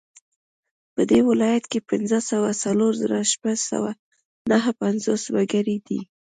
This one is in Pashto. په دې ولایت کې پنځه سوه څلور زره شپږ سوه نهه پنځوس وګړي دي